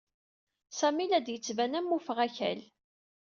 Sami la d-yettban am ufɣakal.